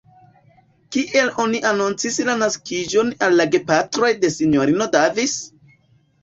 Kiel oni anoncis la naskiĝon al la gepatroj de S-ino Davis?